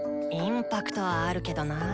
インパクトはあるけどな。